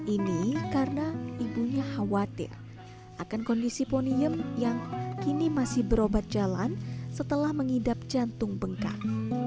ini karena ibunya khawatir akan kondisi ponium yang kini masih berobat jalan setelah mengidap jantung bengkak